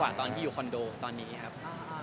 บ้านน้องแมวสรุปแพงกว่าบ้านผม